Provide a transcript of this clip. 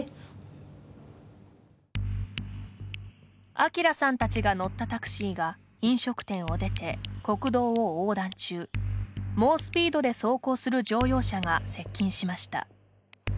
朗さんたちが乗ったタクシーが飲食店を出て国道を横断中猛スピードで走行する乗用車が接近しました。